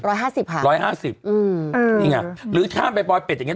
ร้อยห้าสิบหาร้อยห้าสิบอืมอืมนี่ไงหรือข้ามไปปล่อยเป็ดอย่างเงี้ย